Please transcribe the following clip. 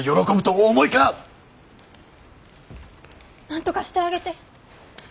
なんとかしてあげて。